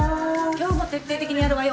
今日も徹底的にやるわよ